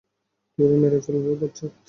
তোরে মেরে ফেলব, বজ্জাত।